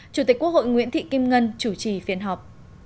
chủ tịch quốc hội nguyễn thị kim ngân chủ trì phiên họp